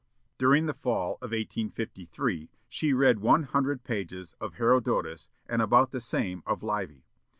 "During the fall of 1853 she read one hundred pages of Herodotus, and about the same of Livy.